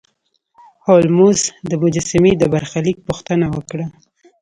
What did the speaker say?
هولمز د مجسمې د برخلیک پوښتنه وکړه.